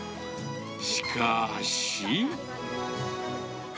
しかし。